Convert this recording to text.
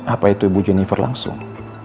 apa itu ibu junifer langsung